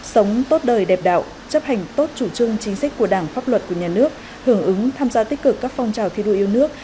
sống tốt đời đẹp đạo chấp hành tốt chủ trương chính sách của đảng pháp luật của nhà nước hưởng ứng tham gia tích cực các phong trào thi đua yêu nước